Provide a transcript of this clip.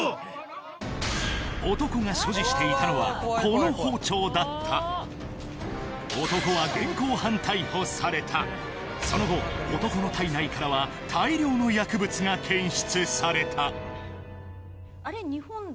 男が所持していたのはこの包丁だった男は現行犯逮捕されたその後男の体内からは大量の薬物が検出されたあれ